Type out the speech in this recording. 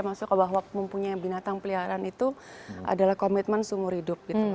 masuk bahwa mempunyai binatang peliharaan itu adalah komitmen seumur hidup gitu